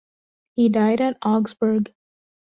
He died at Augsburg.